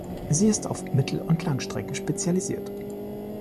Sie ist auf Mittel- und Langstrecken spezialisiert.